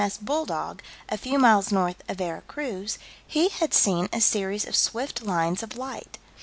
M.S. Bulldog, a few miles north of Vera Cruz, he had seen a series of swift lines of light.